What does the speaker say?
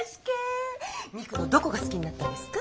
未来のどこが好きになったんですか？